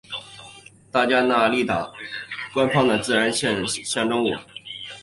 大加那利岛官方的自然象征物是。